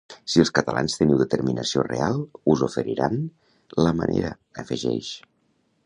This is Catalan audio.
Si els catalans teniu determinació real, us oferiran la manera afegeix